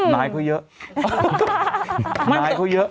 น้ายผู้เยอะ